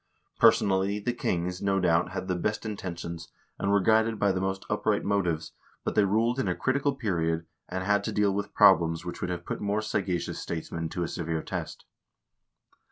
Personally the kings, no doubt, had the best intentions, and were guided by the most upright motives, but they ruled in a critical period, and had to deal with problems which would have put more sagacious statesmen to a severe test.